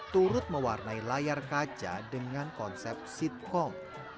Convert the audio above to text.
turut mewarnai layar kaca dengan konsep sitkom